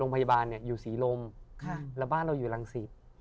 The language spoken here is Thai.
พยาบาลอยู่สีลมแล้วบ้านเราอยู่รางศีร